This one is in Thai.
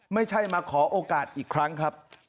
ไม่ใช่มาขอโอกาสอีกครั้งครับ